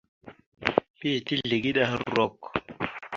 Mbiyez tezlegeɗ aha rrok.